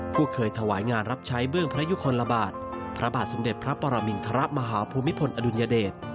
ผู้เคยถวายงานรับใช้เบื้องพระยุคลบาทพระบาทสมเด็จพระปรมินทรมาฮภูมิพลอดุลยเดช